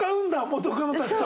元カノたちと。